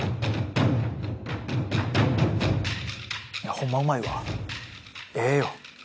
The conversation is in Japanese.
ホンマうまいわええよ。